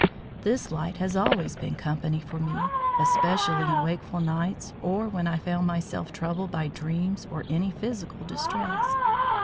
This light has always been company for me, especially in wakeful nights or when I found myself troubled by dreams or any physical distress.